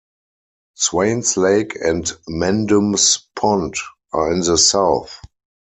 Swains Lake and Mendum's Pond are in the south.